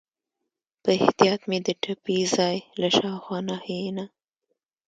په احتیاط مې د ټپي ځای له شاوخوا ناحیې نه.